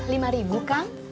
lima ribu kang